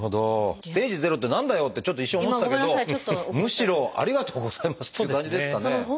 ステージ０って何だよ！ってちょっと一瞬思ってたけどむしろありがとうございますっていう感じですかね。